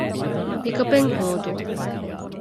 ޕިކަޕެއް ހޯދުން